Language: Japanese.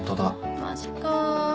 マジか。